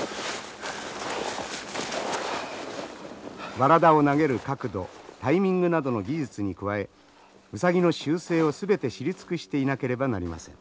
ワラダを投げる角度タイミングなどの技術に加えウサギの習性を全て知り尽くしていなければなりません。